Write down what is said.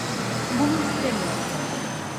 Bunu istemiyorum.